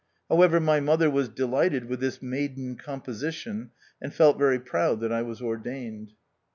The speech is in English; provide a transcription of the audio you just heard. However, my mother was delighted with this maiden composition, and felt very proud that I was ordained.